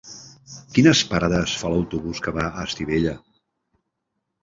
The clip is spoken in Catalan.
Quines parades fa l'autobús que va a Estivella?